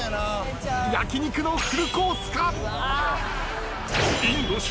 焼き肉のフルコースか？